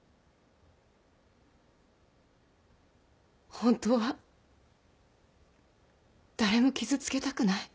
本当は誰も傷つけたくない。